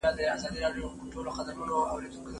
په تیارو کي سره وژنو دوست دښمن نه معلومیږي